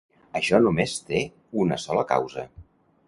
Això només te una sola causa.